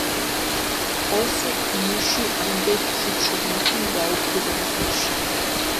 ოსურქ მუში ამბეფი ქიჩუ, მუთუნი ვაუფულუნ თეში.